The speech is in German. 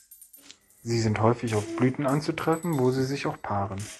Sie sind häufig auf Blüten anzutreffen, wo sie sich auch paaren.